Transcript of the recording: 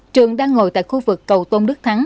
trường đang ngồi tại khu vực cầu tôn đức thắng